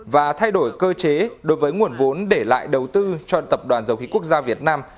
và thay đổi cơ chế đối với nguồn vốn để lại đầu tư cho tập đoàn dầu khí quốc gia việt nam